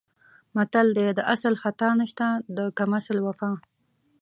متل دی: د اصل خطا نشته د کم اصل وفا.